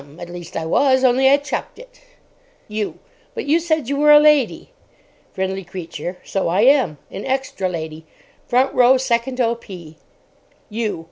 At least I was. Only I chucked it. YOU. But you said you were a lady. FRIENDLY CREATURE. So I am. An extra lady—front row, second O.P. YOU.